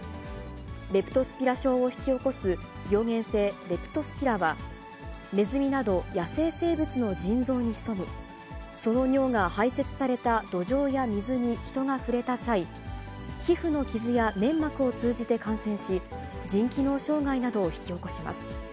レプトスピラ症を引き起こす病原性レプトスピラは、ネズミなど、野生生物の腎臓に潜み、その尿が排せつされた土壌や水にヒトが触れた際、皮膚の傷や粘膜を通じて感染し、腎機能障害などを引き起こします。